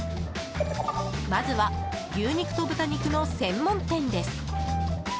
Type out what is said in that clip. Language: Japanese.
まずは、牛肉と豚肉の専門店です。